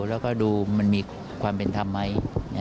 แล้วก็ดูมันมีความเป็นธรรมไหม